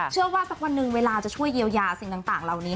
สักวันหนึ่งเวลาจะช่วยเยียวยาสิ่งต่างเหล่านี้